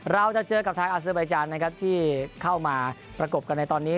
เราจะเจอกับทางอาเซอร์ไบจานนะครับที่เข้ามาประกบกันในตอนนี้